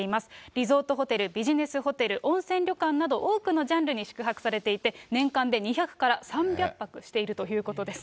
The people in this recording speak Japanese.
リゾートホテル、ビジネスホテル、温泉旅館など、多くのジャンルに宿泊されていて、年間で２００から３００泊しているということです。